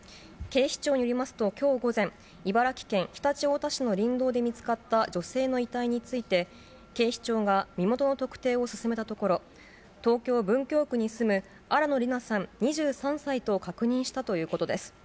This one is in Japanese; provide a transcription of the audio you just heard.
警視庁によりますと、きょう午前、茨城県常陸太田市の林道で見つかった女性の遺体について、警視庁が身元の特定を進めたところ、東京・文京区に住む新野りなさん２３歳と確認したということです。